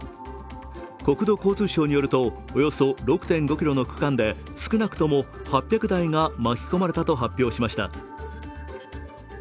国土交通省によるとおよそ６．６ｋｍの区間で少なくとも８００台が巻き込まれたと発表しました。